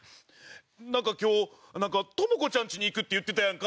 なんか今日トモコちゃんちに行くって言ってたやんか。